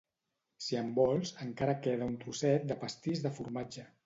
Si en vols, encara queda un trosset de pastís de formatge